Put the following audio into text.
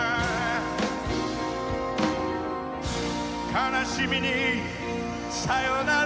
「悲しみにさよなら」